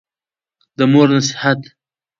د مور نصېحت